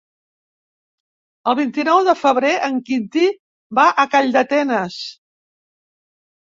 El vint-i-nou de febrer en Quintí va a Calldetenes.